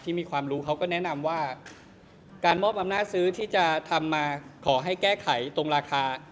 มีความรู้เขาก็แนะนำว่าการมอบอำนาจซื้อที่จะทำมาขอให้แก้ไขตรงราคา